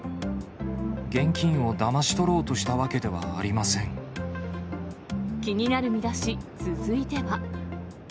現金をだまし取ろうとしたわ気になるミダシ、続いては。